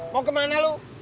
mau kemana lu